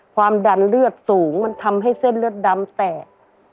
ความดันเลือดสูงมันทำให้เส้นเลือดดำแตก